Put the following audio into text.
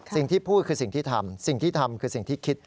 สิ่งที่พูดคือสิ่งที่ทำสิ่งที่ทำคือสิ่งที่คิด